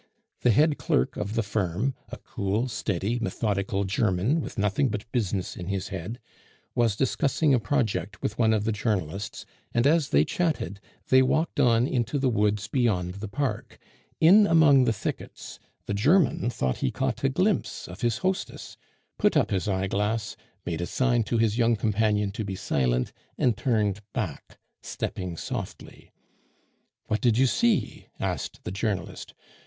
The head clerk of the firm, a cool, steady, methodical German with nothing but business in his head, was discussing a project with one of the journalists, and as they chatted they walked on into the woods beyond the park. In among the thickets the German thought he caught a glimpse of his hostess, put up his eyeglass, made a sign to his young companion to be silent, and turned back, stepping softly. "What did you see?" asked the journalist.